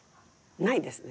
ないですね。